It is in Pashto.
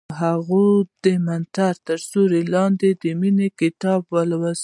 هغې د منظر تر سیوري لاندې د مینې کتاب ولوست.